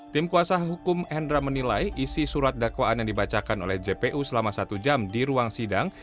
tim kuasa hukum hendra menilai isi surat dakwaan yang dibacakan oleh jpu selama satu jam di ruang sidang